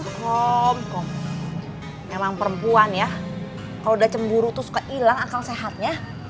kom kom emang perempuan ya kalau udah cemburu suka hilang akal sehatnya